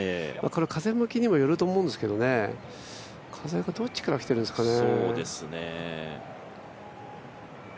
風向きにもよると思うんですが風がどっちから来てるんですかね。